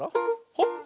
ほっ！